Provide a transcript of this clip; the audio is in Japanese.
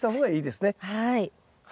はい。